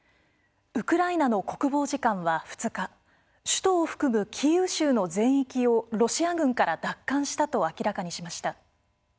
ウクライナの国防次官は２日首都を含むキーウ州の全域をロシア軍から奪還したと明らかにしました。